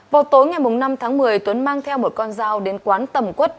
vào tối ngày năm tháng một mươi tuấn mang theo một con dao đến quán tầm quất